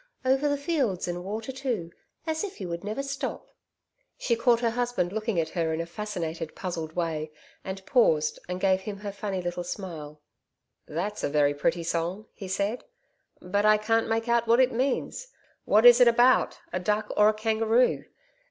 Over the fields and water too, As if you never would stop!"' She caught her husband looking at her in a fascinated, puzzled way, and paused and gave him her funny little smile. 'That's a very pretty song,' he said. 'But I can't make out what it means. What is it about a duck or a kangaroo?